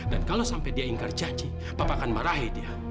dan kalau sampai dia ingkar janji papa akan marahi dia